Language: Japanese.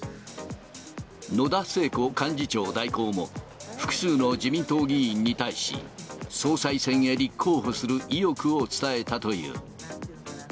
野田聖子幹事長代行も、複数の自民党議員に対し、総裁選へ立候補する意欲を伝えたという。